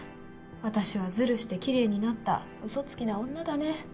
私はずるしてきれいになったうそつきな女だね。